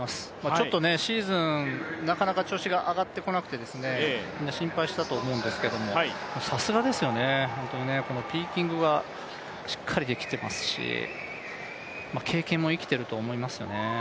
ちょっとシーズン、なかなか調子が上がってこなくてみんな心配したと思うんですけどさすがですよね、本当にこのピーキングがしっかりできていますし、経験も生きていると思いますよね。